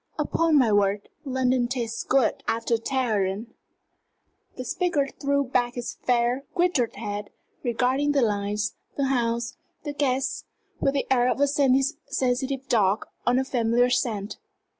Upon my word, London tastes good after Teheran!" And the speaker threw back his fair, grizzled head, regarding the lights, the house, the guests, with the air of a sensitive dog on a familiar scent.